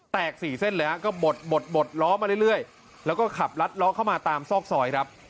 สี่เส้นเลยฮะก็บดบดบดล้อมาเรื่อยแล้วก็ขับลัดล้อเข้ามาตามซอกซอยครับ